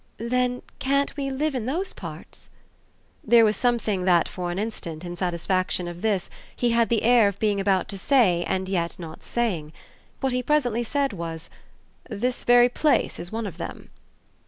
"Then can't we live in those parts?" There was something that for an instant, in satisfaction of this, he had the air of being about to say and yet not saying. What he presently said was: "This very place is one of them."